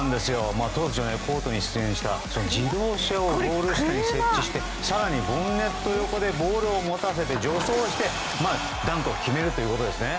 当時はコートに出演した車を設置して更にボンネット横でボールを持たせて助走してダンクを決めるということですね。